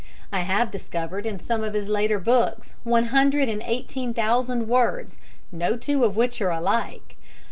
I have discovered in some of his later books one hundred and eighteen thousand words no two of which are alike.